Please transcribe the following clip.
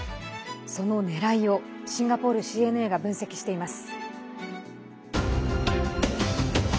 そのねらいをシンガポールＣＮＡが分析しています。